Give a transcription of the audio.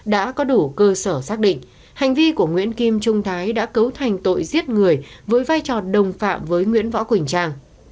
đã có đủ cơ sở xác định hành vi của nguyễn kim trung thái đã cấu thành tội giết người với vai trò đồng phạm với nguyễn võ quỳnh trang